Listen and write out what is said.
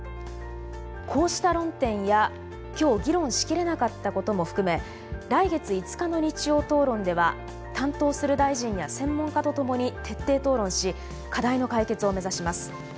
こうした論点や、今日議論しきれなかったことも含め来月５日の「日曜討論」では担当する大臣や専門家とともに徹底討論し課題の解決を目指します。